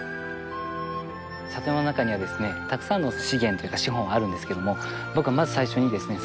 里山の中にはですねたくさんの資源というか資本があるんですけれども僕はまず最初にですね